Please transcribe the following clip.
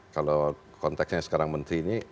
kalau konteksnya sekarang menteri ini